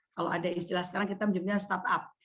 kalau ada istilah sekarang kita menyebutnya startup